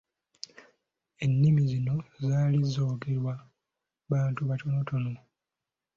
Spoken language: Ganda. Ennimi zino zaali zoogerwa abantu batonotono.